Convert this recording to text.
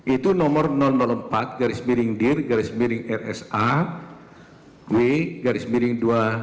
itu nomor empat garis miring dir garis miring rsa w garis miring dua ribu